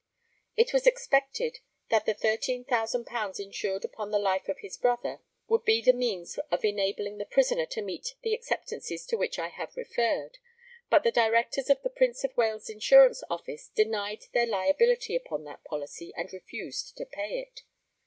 It was expected that the £13,000 insured upon the life of his brother would be the means of enabling the prisoner to meet the acceptances to which I have referred, but the directors of the Prince of Wales Insurance office denied their liability upon that policy, and refused to pay it.